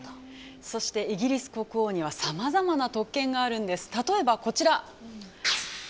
そして、イギリス国王にはさまざまな特権があるんです。